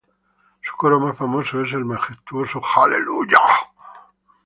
Su coro más famoso es el majestuoso "Hallelujah".